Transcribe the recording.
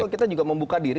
kita juga membuka diri